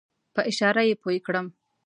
په اشاره یې پوی کړم.